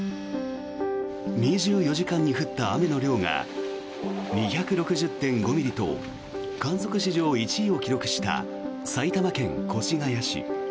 ２４時間に降った雨の量が２６０．５ミリと観測史上１位を記録した埼玉県越谷市。